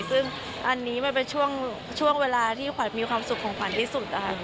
ซึ่งอันนี้มันเป็นช่วงเวลาที่ขวัญมีความสุขของขวัญที่สุดนะคะ